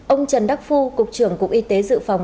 ông trần đắc phu cục trưởng cục y tế dự phòng